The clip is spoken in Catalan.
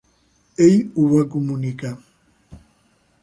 Ell ho va comunicar.